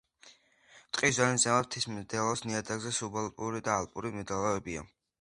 ტყის ზონის ზემოთ მთის მდელოს ნიადაგებზე სუბალპური და ალპური მდელოებია.